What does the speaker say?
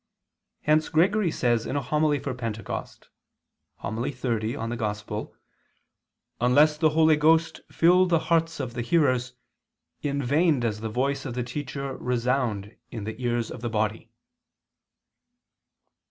Hence Gregory says in a homily for Pentecost (Hom. xxx in Ev.): "Unless the Holy Ghost fill the hearts of the hearers, in vain does the voice of the teacher resound in the ears of the body."